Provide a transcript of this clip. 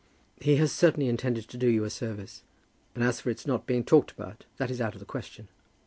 "He has certainly intended to do you a service; and as for its not being talked about, that is out of the question."